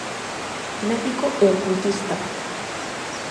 Médico e ocultista.